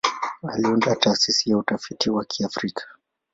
Aliunda Taasisi ya Utafiti wa Kiafrika.